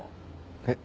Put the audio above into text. えっ。